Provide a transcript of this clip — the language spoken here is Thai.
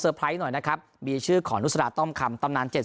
ไพรส์หน่อยนะครับมีชื่อของนุษฎาต้อมคำตำนานเจ็ด